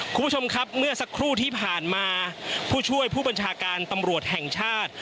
คุณผู้ชมครับเมื่อสักครู่ที่ผ่านมาผู้ช่วยผู้บัญชาการตำรวจแห่งชาติ